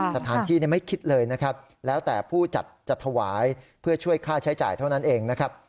สถานที่ไม่คิดเลยนะครับแล้วแต่ผู้จัดจะถวายเพื่อช่วยค่าใช้จ่ายเท่านั้นเองนะครับ